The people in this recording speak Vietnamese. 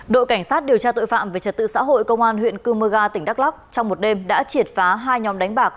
đội cảnh sát điều tra tội phạm về trật tự xã hội công an huyện cư mơ ga tỉnh đắk lắc trong một đêm đã triệt phá hai nhóm đánh bạc